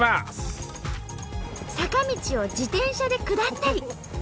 坂道を自転車で下ったり。